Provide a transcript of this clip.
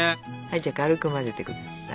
じゃあ軽く混ぜてください。